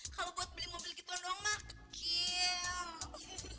kalo buat beli mobil gituan doang mah kekil